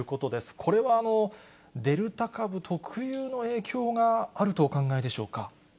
これは、デルタ株特有の影響があるとお考えでしょうか。